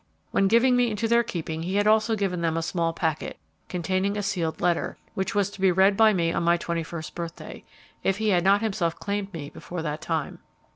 When giving me into their keeping he had also given them a small packet, containing a sealed letter, which was to be read by me on my twenty first birthday, if he had not himself claimed me before that time.